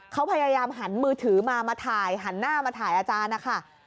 เขาพยายามหันมือถือมามาถ่ายหันหน้ามาถ่ายอาจารย์นะคะ